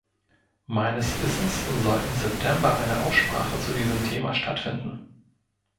Meines Wissens soll im September eine Aussprache zu diesem Thema stattfinden.